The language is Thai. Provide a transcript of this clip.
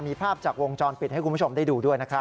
มีภาพจากวงจรปิดให้คุณผู้ชมได้ดูด้วยนะครับ